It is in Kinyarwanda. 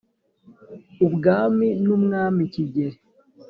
ubwami n'umwami kigeli